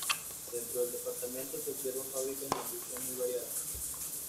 Dentro del departamento se observan fábricas e industrias muy variadas.